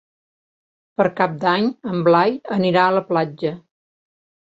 Per Cap d'Any en Blai anirà a la platja.